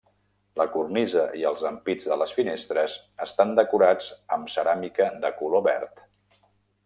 La cornisa i els ampits de les finestres estan decorats amb ceràmica de color verd.